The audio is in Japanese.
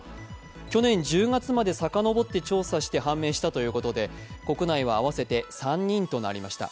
去年１０月までさかのぼって調査して判明したということで、国内は合わせて３人となりました。